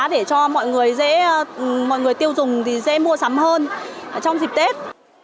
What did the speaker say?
để cho mọi người tiêu dùng dễ mua sắm hơn trong dịp tết